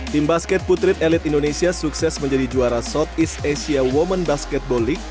tim basket putrid elit indonesia sukses menjadi juara south east asia women basketball league